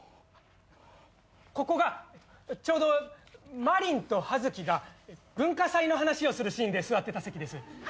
ここがちょうどマリンとハヅキが文化祭の話をするシーンで座ってた席です。